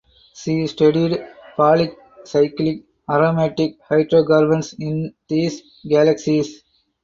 She studies polycyclic aromatic hydrocarbons in these galaxies.